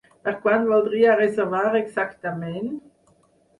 Per quan voldria reservar exactament?